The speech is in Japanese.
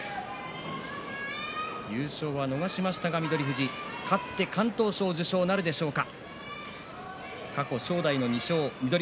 優勝は逃しましたが翠富士勝って敢闘賞受賞なるでしょうか。